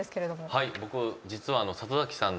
はい。